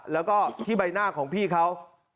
แล้วก็ที่ใบหน้าของพี่เขา